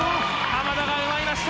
濱田が奪いました。